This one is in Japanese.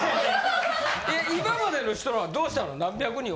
今までの人らはどうしたの？